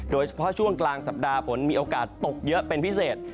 โดยเฉพาะช่วงกลางสัปดาห์ฝนมีโอกาสตกเยอะเป็นพิเศษ